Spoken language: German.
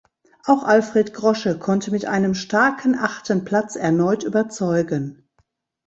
Auch Alfred Grosche konnte mit einem starken achten Platz erneut überzeugen.